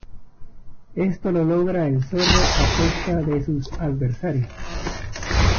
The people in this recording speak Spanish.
Esto lo logra el zorro a costa de sus adversarios.